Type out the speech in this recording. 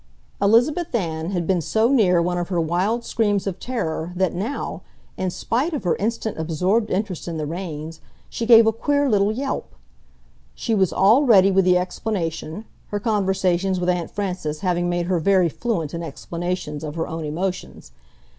Elizabeth Ann had been so near one of her wild screams of terror that now, in spite of her instant absorbed interest in the reins, she gave a queer little yelp. She was all ready with the explanation, her conversations with Aunt Frances having made her very fluent in explanations of her own emotions.